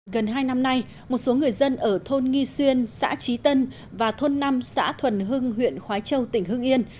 gần hai năm nay một số người dân ở thôn nghi xuyên xã trí tân và thôn năm xã thuần hưng huyện khói châu tỉnh hưng yên